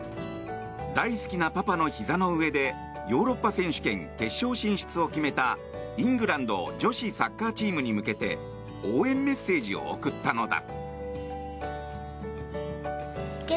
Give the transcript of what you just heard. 大好きなパパのひざの上でヨーロッパ選手権決勝進出を決めたイングランド女子サッカーチームに向けて応援メッセージを送ったのだ。